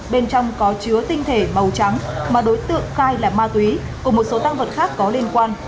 bên trong có chứa tinh thể màu trắng mà đối tượng khai là ma túy cùng một số tăng vật khác có liên quan